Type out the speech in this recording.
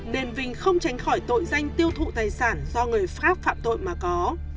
nên vinh không tránh khỏi tội danh tiêu thụ tài sản do người pháp phạm tội mà có